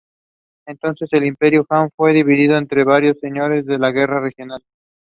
Several historians consider it to be his earliest surviving work.